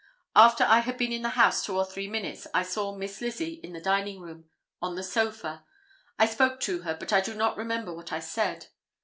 After I had been in the house two or three minutes I saw Miss Lizzie in the dining room on the sofa. I spoke to her, but I do not remember what I said.